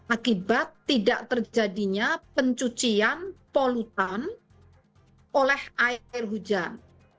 akibat tidak terjadinya pencucian polutan oleh air hujan